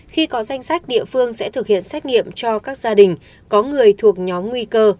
khi có danh sách địa phương sẽ thực hiện xét nghiệm cho các gia đình có người thuộc nhóm nguy cơ